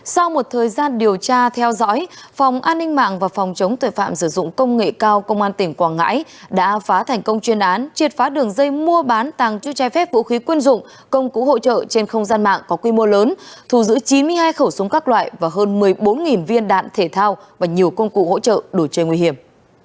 sau một thời gian điều tra theo dõi phòng an ninh mạng và phòng chống tội phạm sử dụng công nghệ cao công an tỉnh quảng ngãi đã phá thành công chuyên án triệt phá đường dây mua bán tàng chữ che phép vũ khí quân dụng công cụ hỗ trợ trên không gian mạng có quy mô lớn thù giữ chín mươi hai khẩu súng các loại và hơn một mươi bốn viên đạn thể thao và nhiều công cụ hỗ trợ đổi chơi nguy hiểm